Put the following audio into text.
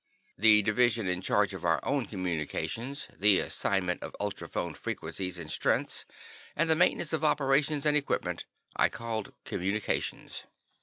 The division in charge of our own communications, the assignment of ultrophone frequencies and strengths, and the maintenance of operators and equipment, I called "Communications."